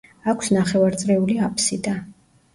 აქვს ნახევარწრიული აფსიდა.